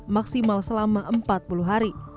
maksimal selama empat puluh hari